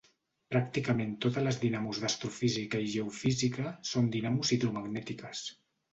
Pràcticament totes les dinamos d'astrofísica i geofísica són dinamos hidromagnètiques.